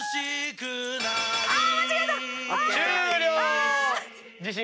終了！